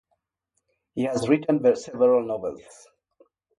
He has written several novels.